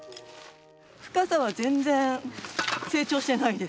深さは全然成長してないです。